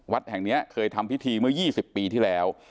วัดแห่งนี้เคยทำพิธีเมื่อ๒๐ปีที่แล้ว